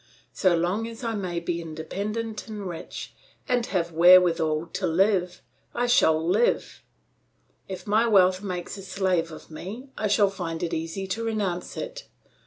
So long as I may be independent and rich, and have wherewithal to live, and I shall live. If my wealth makes a slave of me, I shall find it easy to renounce it.